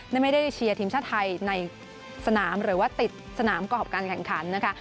และไม่ได้เชียร์ทีมชาติไทยในสนามหรือว่าติดสนามกรอบการแข่งขันนะคะ